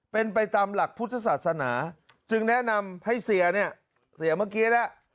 เป็นไปตามหลักพุทธศาสนาจึงแนะนำให้เสียเนี่ยเสียเมื่อกี้แล้ว